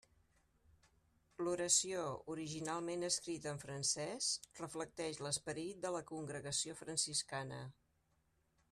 L'oració, originalment escrita en francès, reflecteix l'esperit de la congregació franciscana.